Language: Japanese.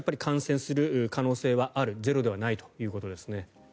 しかし感染する可能性はあるゼロではないということです。